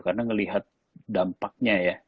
karena ngelihat dampaknya ya